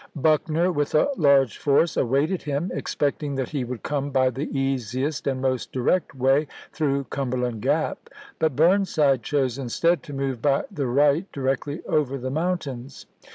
Buckner, with a large force, awaited him, expecting that he would come by the easiest and most direct way, through Cum berland Gap ; but Burnside chose, instead, to move by the right directly over the mountains.